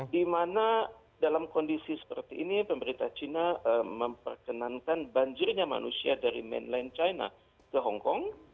di mana dalam kondisi seperti ini pemerintah china memperkenankan banjirnya manusia dari mainland china ke hongkong